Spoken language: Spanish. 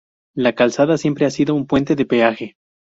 La Calzada siempre ha sido un puente de peaje.